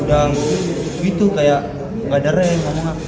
udah gitu kayak nggak ada rem ngomongnya